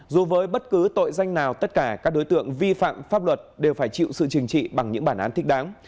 dù với bất cứ tội danh nào tất cả các đối tượng vi phạm pháp luật đều phải chịu sự trừng trị bằng những bản án thích đáng